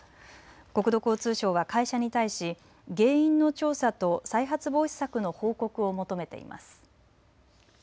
国土交通省は会社に対し原因の調査と再発防止策の報告を求めています。